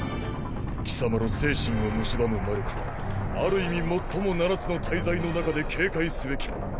貴様の精神をむしばむ魔力はある意味最も七つの大罪の中で警戒すべきもの。